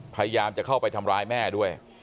พยายามจะเข้าไปทำร้ายแม่ด้วย